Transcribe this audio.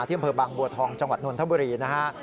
ที่บบางบวาทองจนนทบุรีนะฮะ